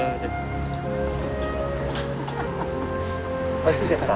おいしいですか？